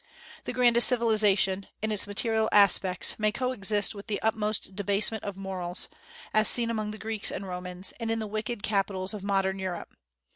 The grandest civilization, in its material aspects, may coexist with the utmost debasement of morals, as seen among the Greeks and Romans, and in the wicked capitals of modern Europe.